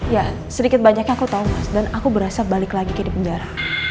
ya sedikit banyaknya aku tahu mas dan aku berasa balik lagi ke di penjara